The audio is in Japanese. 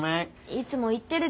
いつも言ってるでしょ。